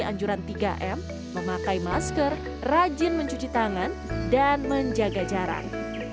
anjuran tiga m memakai masker rajin mencuci tangan dan menjaga jarak